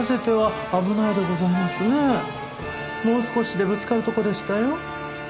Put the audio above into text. もう少しでぶつかるところでしたよ。